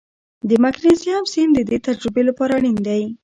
د مګنیزیم سیم د دې تجربې لپاره اړین دی.